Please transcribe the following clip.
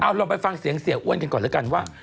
เอาลองไปฟังเสียงเสียอ้วนกันก่อนแล้วกันว่า